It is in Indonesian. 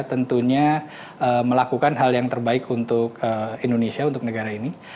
tentunya melakukan hal yang terbaik untuk indonesia untuk negara ini